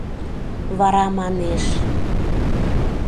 Вара манеш: